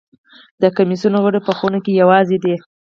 د کمېسیون غړي په خونه کې یوازې دي.